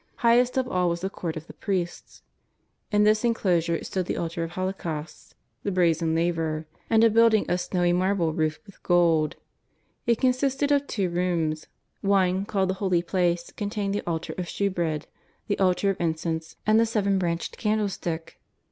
Highest of all was the Court of the Priests. In this enclosure stood the altar of holocausts, the brazen laver, and a building of snowy marble roofed with gold. It consisted of two rooms; one called the Holy Place contained the altar of shew bread, the altar of incense and the seven branched can dlestick.